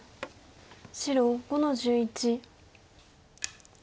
白５の十一。